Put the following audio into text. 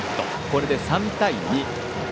これで３対２。